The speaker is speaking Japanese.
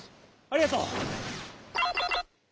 ありがとう。